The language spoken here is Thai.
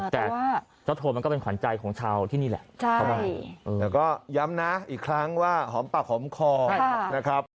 แต่เจ้าโทนมันก็เป็นขวัญใจของชาวที่นี่แหละเข้ามาแล้วก็ย้ำนะอีกครั้งว่าหอมปากหอมคอนะครับ